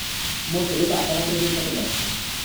Molto elevata la presenza tedesca.